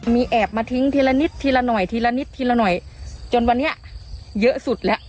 มีแอบมาทิ้งทีละนิดทีละหน่อยทีละนิดทีละหน่อยจนวันนี้เยอะสุดแล้ว